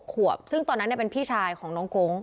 อายุ๖ขวบซึ่งตอนนั้นเนี่ยเป็นพี่ชายมารอเอาน้องกั๊กนะคะ